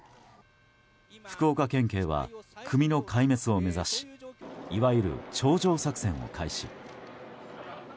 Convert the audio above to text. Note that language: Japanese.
福岡県警は、組の壊滅を目指しいわゆる頂上作戦を開始。